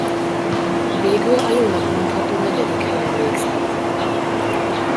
Végül a jónak mondható negyedik helyen végzett.